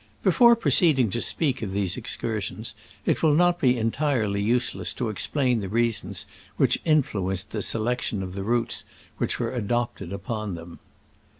Before proceeding to speak of these ex cursions, it will not be entirely useless to explain the reasons which influenced the selection of the routes which were adopt ed upon them.